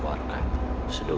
wa rahmatullah wabarakatuh